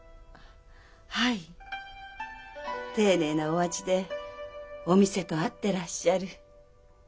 丁寧なお味でお店と合ってらっしゃる。